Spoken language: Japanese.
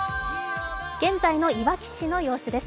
現在のいわき市の様子です